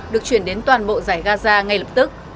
được chuyển đến toàn bộ giải gaza ngay lập tức